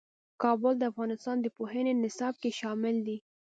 کابل د افغانستان د پوهنې نصاب کې شامل دي.